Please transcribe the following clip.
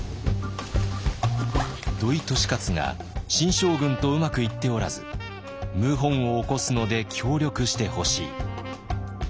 「土井利勝が新将軍とうまくいっておらず謀反を起こすので協力してほしい」。